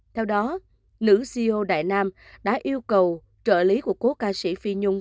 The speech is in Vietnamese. theo đó nữ ceo đại nam đã yêu cầu trợ lý của cố ca sĩ phi nhung